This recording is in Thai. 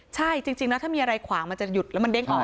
ใช่จริงแล้วถ้ามีอะไรขวางมันจะหยุดแล้วมันเด้งออก